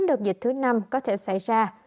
đợt dịch thứ năm có thể xảy ra